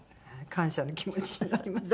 感謝の気持ちになります。